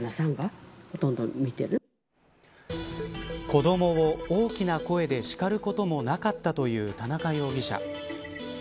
子どもを大きな声でしかることもなかったという田中容疑者。